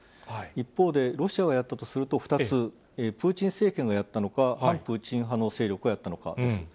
一方で、ロシアがやったとすると、２つ、プーチン政権がやったのか、反プーチン派の勢力がやったのかです。